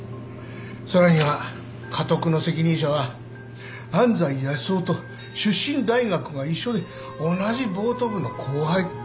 さらにはカトクの責任者は安斎康雄と出身大学が一緒で同じボート部の後輩。